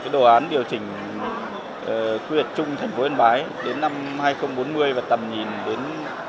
đồ án điều chỉnh quy hoạch chung thành phố yên bái đến năm hai nghìn bốn mươi và tầm nhìn đến hai nghìn sáu mươi